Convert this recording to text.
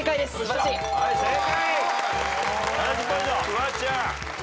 フワちゃん。